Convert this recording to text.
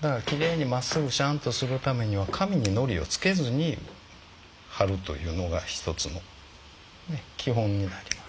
だからきれいにまっすぐしゃんとするためには紙にのりをつけずにはるというのが一つの基本になります。